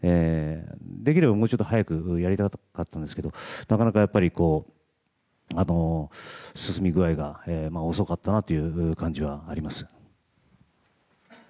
できれば、もうちょっと早くやりたかったんですけどなかなか進み具合が遅かったなという感じはあります。